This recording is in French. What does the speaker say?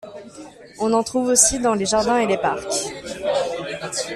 On en trouve aussi dans les jardins et les parcs.